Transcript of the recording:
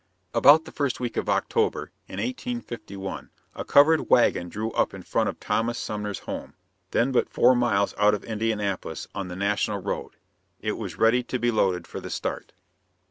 About the first week of October, in 1851, a covered wagon drew up in front of Thomas Sumner's house, then but four miles out from Indianapolis on the National Road. It was ready to be loaded for the start.